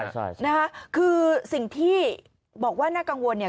ใช่นะคะคือสิ่งที่บอกว่าน่ากังวลเนี่ย